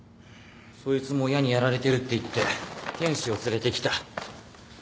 そいつも親にやられてるって言って天使を連れてきた。